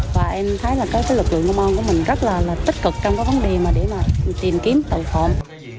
và em thấy lực lượng công an của mình rất là tích cực trong vấn đề để tìm kiếm tàu phòng